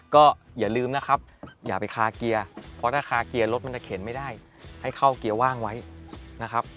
ก็อย่าลืมนะครับอย่าไปคาเกียร์เพราะถ้าคาเกียร์รถมันจะเข็นไม่ได้ให้เข้าเกียร์ว่างไว้นะครับ